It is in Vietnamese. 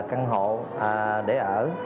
căn hộ để ở